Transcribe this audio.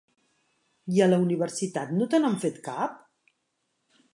I a la universitat no te n'han fet cap?